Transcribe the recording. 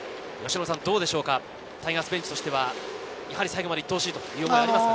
タイガースベンチとしては最後までいってほしいというところでしょうか。